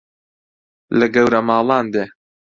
لە گەورە ماڵان دێ